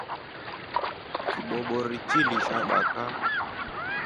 Kibobori chili sha baka.